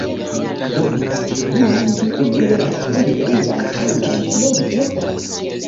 Do, ĉu mi manĝu unue la plej longan, aŭ la plej etan?